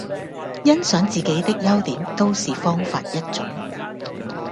欣賞自己的優點都是方法一種